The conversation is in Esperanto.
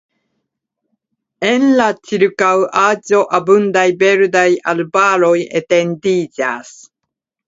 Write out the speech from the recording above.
En la ĉirkaŭaĵo abundaj verdaj arbaroj etendiĝas.